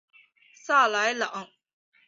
萨莱朗。